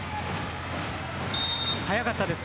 速かったです。